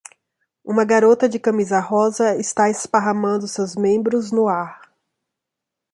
Uma garota de camisa rosa está esparramando seus membros no ar.